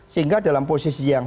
sehingga dalam posisi yang